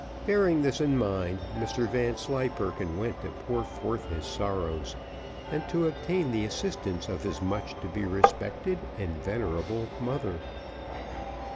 Bearing this in mind, Mr Vanslyperken went to pour forth his sorrows, and to obtain the assistance of his much to be respected and venerable mother.